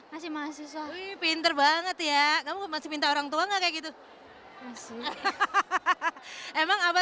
masih mahasiswa pinter banget ya kamu masih minta orang tua enggak kayak gitu emang apa